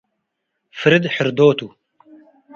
ፍርድ ሕርዶ ቱ።